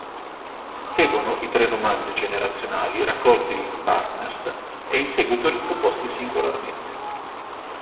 Seguono i tre romanzi generazionali raccolti in "Partners" e in seguito riproposti singolarmente.